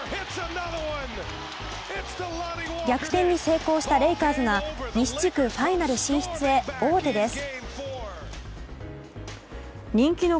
逆転に成功したレイカーズが西地区ファイナル進出へ王手です。